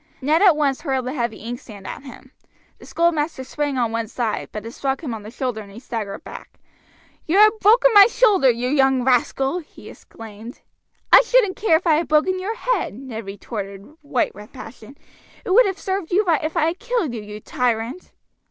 Ned at once hurled the heavy inkstand at him. The schoolmaster sprang on one side, but it struck him on the shoulder, and he staggered back. "You have broken my shoulder, you young scoundrel!" he exclaimed. "I shouldn't care if I had broken your head," Ned retorted, white with passion; "it would have served you right if I had killed you, you tyrant."